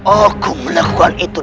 aku melakukan itu